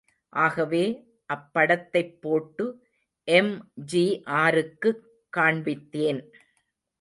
ஆகவே அப்படத்தைப் போட்டு எம்.ஜி.ஆருக்குக் காண்பித்தேன்.